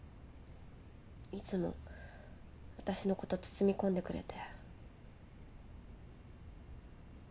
いつもわたしのこと包み込んでくれて。